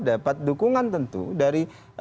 dapat dukungan tentu dari